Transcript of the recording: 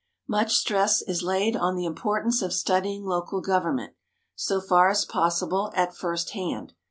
Much stress is laid on the importance of studying local government, so far as possible, at first hand.